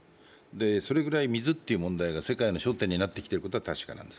それぐらい水という問題が世界の焦点になってきていることは確かだと思うんです。